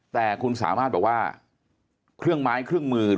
เพราะอาชญากรเขาต้องปล่อยเงิน